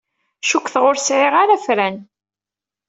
Cukkteɣ ur sɛiɣ ara afran.